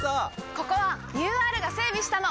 ここはＵＲが整備したの！